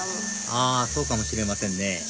あそうかもしれませんね